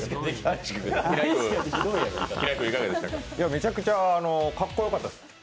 めちゃくちゃかっこよかったです。